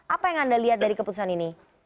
apa yang anda lihat dari keputusan ini